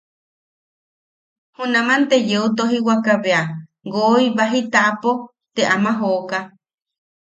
Junaman te yeu tojiwaka bea woi baji taʼapo te ama joka.